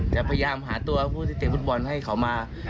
จะพยายามหาตัวผู้ที่เตะฟุตบอลให้เขามา